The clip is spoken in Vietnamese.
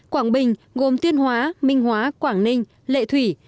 quảng bình gồm tuyên hóa minh hóa quảng ninh lệ thủy